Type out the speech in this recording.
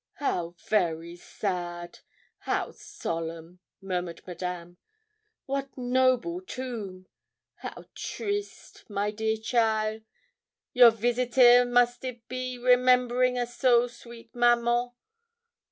'How very sad how solemn!' murmured Madame. 'What noble tomb! How triste, my dear cheaile, your visit 'ere must it be, remembering a so sweet maman.